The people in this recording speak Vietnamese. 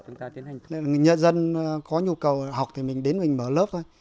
nên là người dân có nhu cầu học thì mình đến mình mở lớp thôi